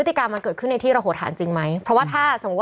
ที่กรุงเทพสลรี่มัน๑๓ไลน์มั้งค่ะ